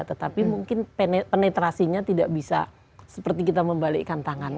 tetapi mungkin penetrasinya tidak bisa seperti kita membalikkan tangan